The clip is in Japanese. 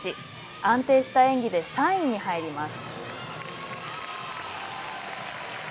安定した演技で３位に入ります。